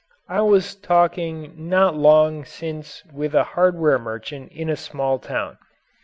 I was talking not long since with a hardware merchant in a small town.